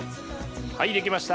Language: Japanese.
はい出来ました。